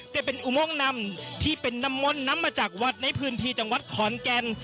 แต่เป็นอุโมงนำที่เป็นน้ำมนต์นำมาจากวัดในพื้นที่จังหวัดขอนแก่น